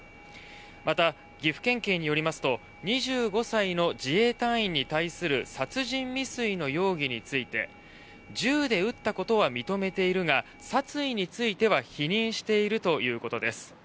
また、岐阜県警によりますと２５歳の自衛隊員に対する殺人未遂の容疑について銃で撃ったことは認めているが殺意については否認しているということです。